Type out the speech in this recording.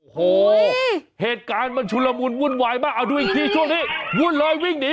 โอ้โหเหตุการณ์มันชุนละมุนวุ่นวายมากเอาดูอีกทีช่วงนี้วุ่นเลยวิ่งหนี